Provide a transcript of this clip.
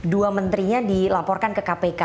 dua menterinya dilaporkan ke kpk